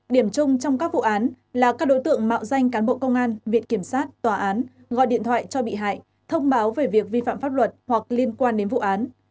điểm chung trong các vụ án là các đối tượng mạo danh cán bộ công an viện kiểm sát tòa án gọi điện thoại cho bị hại thông báo về việc vi phạm pháp luật hoặc liên quan đến vụ án